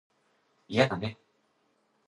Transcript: いやだね